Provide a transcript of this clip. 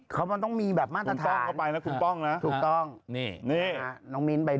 เขาก็ต้องมีแบบมาตรฐาน